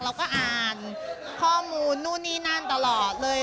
เราก็อ่านข้อมูลนู่นนี่นั่นตลอดเลย